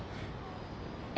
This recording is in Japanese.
え？